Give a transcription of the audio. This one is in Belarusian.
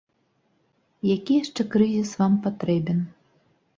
Які яшчэ крызіс вам патрэбен?